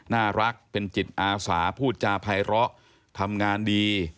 น่ารักเป็นจิตอาสาพูดจาภัยเลาะทำงานดี